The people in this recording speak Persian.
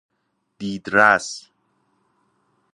دیدرس